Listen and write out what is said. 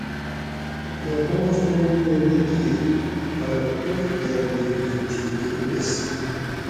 مٞہ باس توم کٞہ نہ کِیر پرہ پوت کٞہ نیٹی تھِل کٞہ اُکس